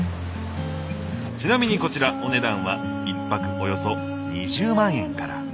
ちなみにこちらお値段は１泊およそ２０万円から。